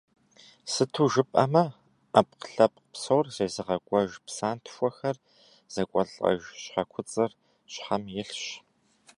Сыту жыпӏэмэ, ӏэпкълъэпкъ псор зезыгъэкӏуэж, псантхуэхэр зэкӏуэлӏэж щхьэкуцӏыр аб щхьэм илъщ.